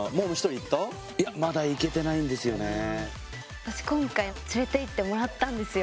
私今回連れていってもらったんですよ。